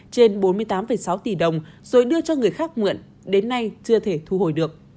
trên bốn mươi tám sáu tỷ đồng rồi đưa cho người khác mượn đến nay chưa thể thu hồi được